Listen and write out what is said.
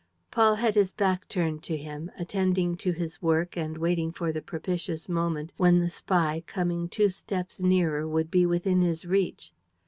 Paul had his back turned to him, attending to his work and waiting for the propitious moment when the spy, coming two steps nearer, would be within his reach.